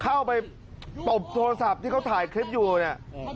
เข้าไปตบโทรศัพท์ที่เขาถ่ายคลิปอยู่เนี่ย